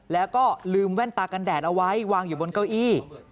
แล้วก็ลืมแว่นตากันแดดเอาไว้วางอยู่บนเก้าอี้